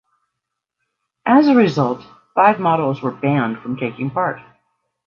As a result, five models were banned from taking part.